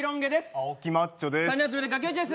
青木マッチョです。